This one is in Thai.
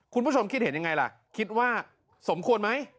คุณผู้ชมคิดเห็นยังไงล่ะคิดว่าสมควรไหม